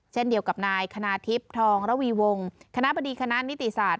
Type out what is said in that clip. เช่นเดียวกับนายคณาทิพย์ทองระวีวงคณะบดีคณะนิติศาสต